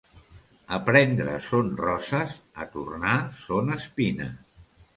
A prendre són roses, a tornar són espines.